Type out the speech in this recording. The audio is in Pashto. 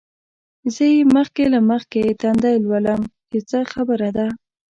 زه یې مخکې له مخکې تندی لولم چې څه خبره ده.